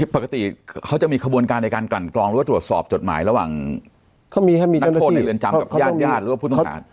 ปกติเขาจะมีขบวนการในการกลั่นกรองหรือว่าตรวจสอบจดหมายระหว่างนักโทษในเรือนจำกับญาติญาติหรือว่าผู้ต้องหา